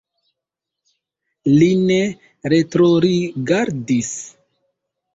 Li ne retrorigardis.